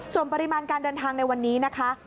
ส่วนปริมาณการเดินทางในวันนี้นะคะ